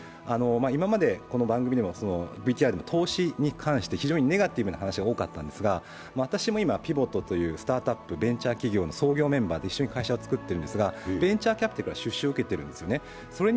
今までこの番組でもＶＴＲで投資に関して非常にネガティブでものが多かったんですが私も今、ＰＩＶＯＴというスタートアップ、ベンチャー企業をやっているんですがベンチャーキャピタルから出資を受けているんですね。